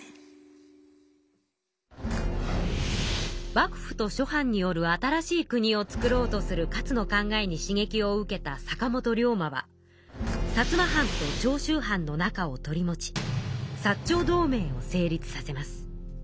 幕府と諸藩による新しい国を造ろうとする勝の考えに刺激を受けた坂本龍馬は薩摩藩と長州藩の仲を取り持ち薩長同盟を成立させます。